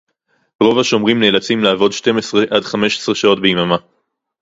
רוב השומרים נאלצים לעבוד שתים עשרה עד חמש עשרה שעות ביממה